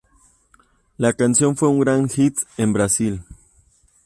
La canción fue un gran hit en Brasil.